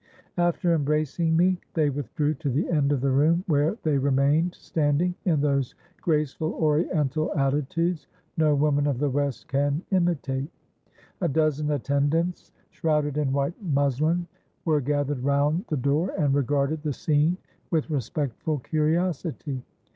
After embracing me they withdrew to the end of the room, where they remained standing in those graceful Oriental attitudes no woman of the West can imitate. A dozen attendants, shrouded in white muslin, were gathered round the door, and regarded the scene with respectful curiosity.